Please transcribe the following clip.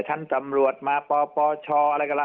ท่านทำรวจมาป่อป่อช่ออะไรก็แล้ว